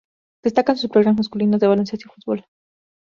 Destacan sus programas masculinos de baloncesto y fútbol.